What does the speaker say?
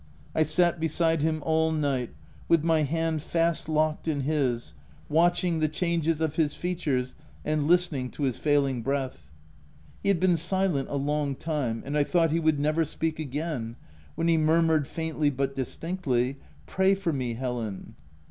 I sat beside him all night, with my hand fast locked in his, watch m 3 250 THE TENANT ing the changes of his features and listening to his failing breath. He had been silent a long time, and I thought he would never speak again, when he murmured, faintly but distinctly —" Pray for me, Helen